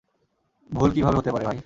ভুল কীভাবে হতে পারে ভাই?